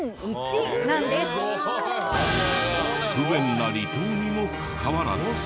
不便な離島にもかかわらず。